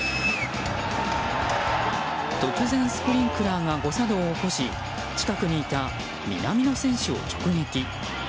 突然、スプリンクラーが誤作動を起こし近くにいた南野選手を直撃。